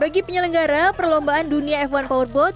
bagi penyelenggara perlombaan dunia f satu powerboat